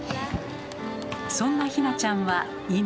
そんなひなちゃんは今。